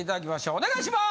お願いします。